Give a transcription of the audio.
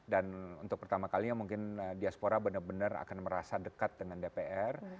dan untuk pertama kalinya mungkin diaspora benar benar akan merasa dekat dengan dpr